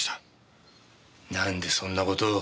なんでそんな事を。